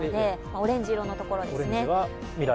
オレンジ色のところですね。